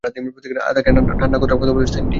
তাকে ঠান্ডা জলের কথা বল এই, স্যান্ডি?